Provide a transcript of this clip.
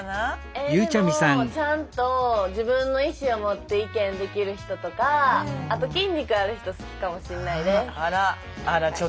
えっでもちゃんと自分の意思を持って意見できる人とかあと筋肉ある人好きかもしんないです。